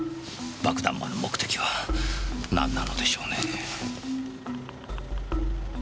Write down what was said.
爆弾魔の目的は何なのでしょうねぇ。